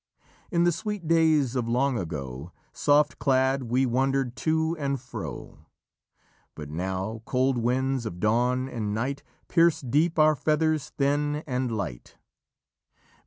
In the sweet days of long ago, Soft clad we wandered to and fro: But now cold winds of dawn and night Pierce deep our feathers thin and light.